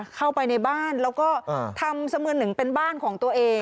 เข้าไปในบ้านแล้วก็ทำเสมือนหนึ่งเป็นบ้านของตัวเอง